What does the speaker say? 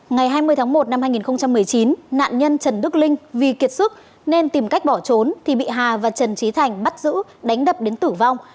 ngày hai mươi tháng một năm hai nghìn một mươi chín nạn nhân trần đức linh vì kiệt sức nên tìm cách bỏ trốn thì bị hà và trần trí thành bắt giữ đánh đập đến tử vong